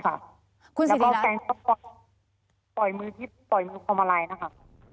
ใช่ค่ะแล้วก็กางก็ไปปล่อยมือที่ปล่อยมือคว่ามลัยนะคะ